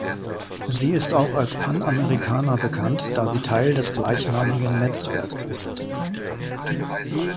Sie ist auch als Panamericana bekannt, da sie Teil des gleichnamigen Netzwerks ist.